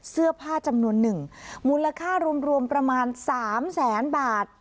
เสื้อผ้าจำนวนหนึ่งมูลค่ารวมประมาณ๓แสนบาท